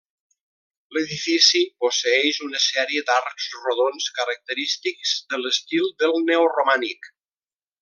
L'edifici posseeix una sèrie d'arcs rodons característics de l'estil del neoromànic.